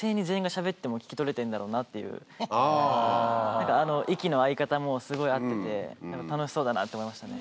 何かあの息の合い方もすごい合ってて何か楽しそうだなって思いましたね。